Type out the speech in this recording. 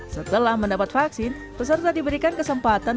setelah mendapat vaksin peserta diberikan kesempatan